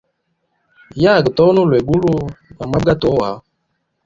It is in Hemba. Yaga toni ulwegulu na mabwe gatowa.